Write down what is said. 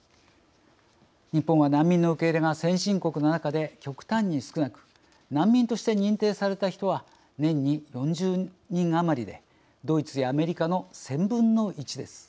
日本は難民の受け入れが先進国の中で極端に少なく難民として認定された人は年に４０人余りでドイツやアメリカの１０００分の１です。